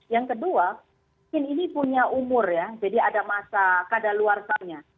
yang kedua ini punya umur ya jadi ada masa ada luarsanya